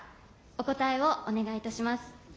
お答えをお願いいたします。